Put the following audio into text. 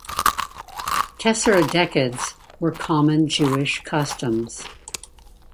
Tesseradecads were common Jewish customs.